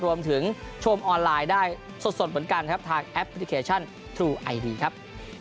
ชมออนไลน์ได้สดเหมือนกันครับทางแอปพลิเคชันทรูไอดีครับ